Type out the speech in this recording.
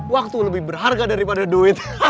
waktu lebih berharga daripada duit